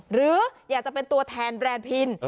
หรืออยากจะเป็นตัวแทนแบรนด์พิน